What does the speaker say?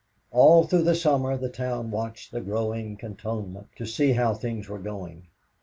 All through the summer the town watched the growing cantonment to see how things were going.